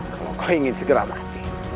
kalau kau ingin segera mati